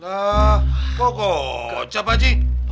lah kok kocap pak ji